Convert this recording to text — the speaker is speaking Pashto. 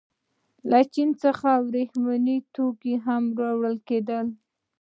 له چین څخه ورېښم توکي هم راوړل کېدل.